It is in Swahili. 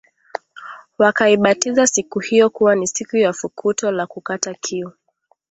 Wakaibatiza siku hiyo kuwa ni siku ya fukuto la kukata kiu